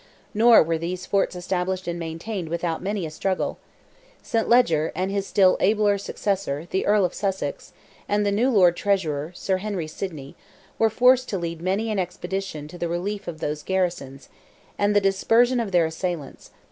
Nor were these forts established and maintained without many a struggle. St. Leger, and his still abler successor, the Earl of Sussex, and the new Lord Treasurer, Sir Henry Sidney, were forced to lead many an expedition to the relief of those garrisons, and the dispersion of their assailants.